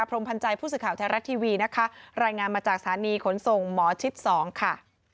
พรมพันธ์ใจผู้สื่อข่าวไทยรัฐทีวีนะคะรายงานมาจากสถานีขนส่งหมอชิด๒ค่ะ